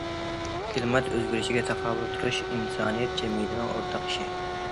كىلىمات ئۆزگىرىشىگە تاقابىل تۇرۇش ئىنسانىيەت جەمئىيىتىنىڭ ئورتاق ئىشى.